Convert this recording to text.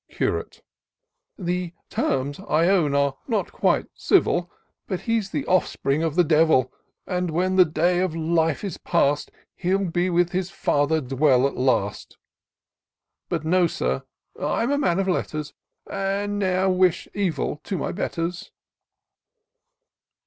Curate. " The terms, I own, are not quite civil. But he's the offspring of the devil ; And, when the day of life is past. He'll with his father dwell at last ; But know, Sir, I'm a man of letters, And ne'er wish evil to my betters."